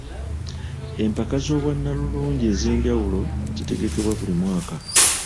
Empaka z'obwannalulungi ez'enjawulo zitegekebwa buli mwaka.